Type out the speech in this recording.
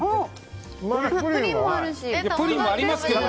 プリンもありますけど。